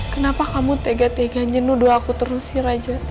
kenapa kamu tega teganya nuduh aku terus raja